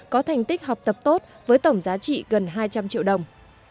có thành tích học tập tốt với tổng giá trị gần hai trăm linh triệu đồng